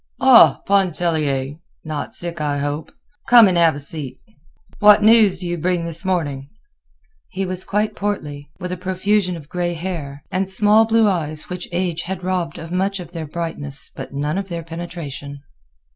"Ah, Pontellier! Not sick, I hope. Come and have a seat. What news do you bring this morning?" He was quite portly, with a profusion of gray hair, and small blue eyes which age had robbed of much of their brightness but none of their penetration.